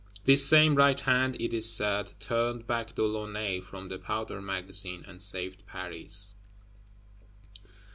This same right hand, it is said, turned back De Launay from the Powder Magazine, and saved Paris.